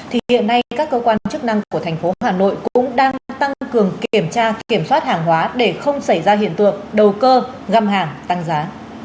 thì hiện nay các cơ quan chức năng của thành phố hà nội cũng đang tăng cường kiểm tra kiểm soát hàng hóa để không xảy ra hiện tượng đầu cơ găm hàng tăng giá